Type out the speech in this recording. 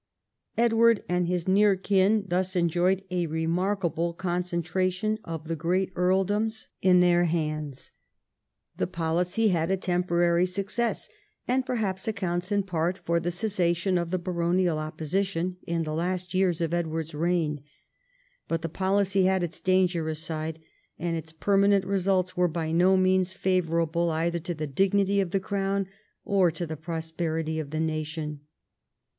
Edward and his near kin thus enjoyed a remarkable concentration of the great earldoms in their xili THE END OF THE REIGN 221 hands. The policy had a temporary success, and perhaps accounts in part for the cessation of the baronial opposition in the last years of Edward's reign. But the policy had its dangerous side, and its permanent results were by no means favourable either to the dignity of the crown or to the prosperity of the nation.